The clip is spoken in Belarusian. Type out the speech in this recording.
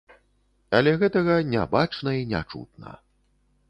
Але гэтага не бачна і не чутна.